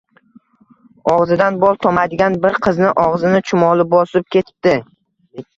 Og'zidan bol tomadigan bir qizni og'zini chumoli bosib ketibdi.